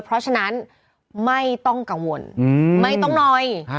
เพราะฉะนั้นไม่ต้องกังวลไม่ต้องหน่อย